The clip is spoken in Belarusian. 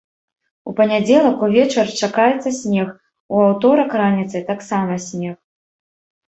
У панядзелак увечар чакаецца снег, у аўторак раніцай таксама снег.